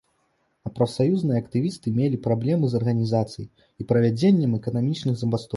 А прафсаюзныя актывісты мелі праблемы з арганізацыяй і правядзеннем эканамічных забастовак.